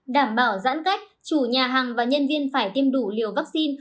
đảm bảo giãn cách chủ nhà hàng và nhân viên phải tiêm đủ liều vaccine